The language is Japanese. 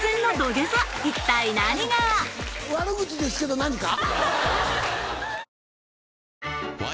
悪口ですけど何か？